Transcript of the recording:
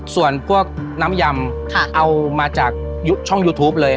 ส่วนพวกน้ำยำเอามาจากช่องยูทูปเลย